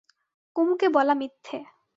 কুমুকে বলা মিথ্যে।